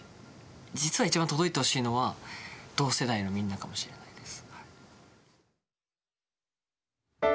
実は一番届いてほしいのは同世代のみんなかもしれないです。